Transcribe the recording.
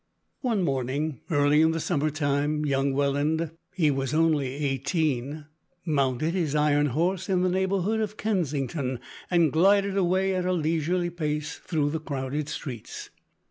One morning, early in the summer time, young Welland, (he was only eighteen), mounted his iron horse in the neighbourhood of Kensington, and glided away at a leisurely pace through the crowded streets.